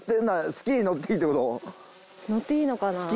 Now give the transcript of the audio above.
好きに乗っていいのかな